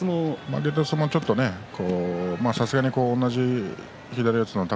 負けた相撲はね、さすがに同じ左四つの宝